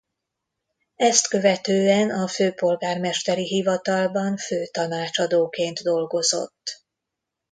Ezt követően a Főpolgármesteri hivatalban főtanácsadóként dolgozott.